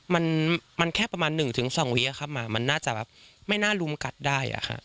มันมันแค่ประมาณหนึ่งถึงสองวิอ่ะครับหมามันน่าจะแบบไม่น่ารุมกัดได้อ่ะค่ะ